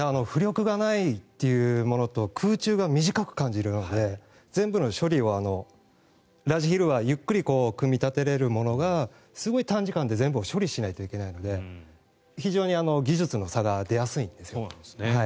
浮力がないというのと空中が短く感じるので全部の処理をラージヒルはゆっくり組み立てられるものがすごい短時間で全部を処理しないといけないので非常に技術の差が出やすいんですよ。